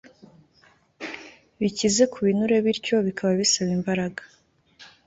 bikize ku binure bityo bikaba bisaba imbaraga